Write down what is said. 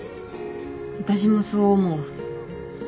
私もそう思う。